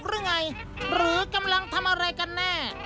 คุณปู่และคุณย่าไม่รู้ไปไหน